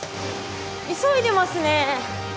急いでますね。